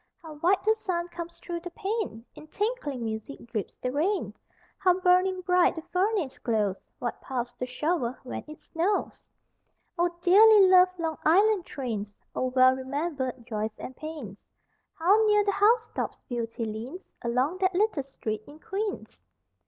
How white the sun comes through the pane! In tinkling music drips the rain! How burning bright the furnace glows! What paths to shovel when it snows! O dearly loved Long Island trains! O well remembered joys and pains.... How near the housetops Beauty leans Along that little street in Queens!